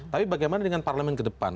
tapi bagaimana dengan parlemen kedepan